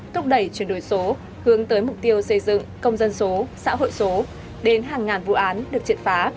thúc đẩy chuyển đổi số hướng tới mục tiêu xây dựng công dân số xã hội số đến hàng ngàn vụ án được triệt phá